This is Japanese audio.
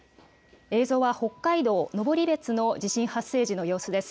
映像は北海道登別の地震発生時の様子です。